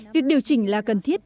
việc điều chỉnh là cần thiết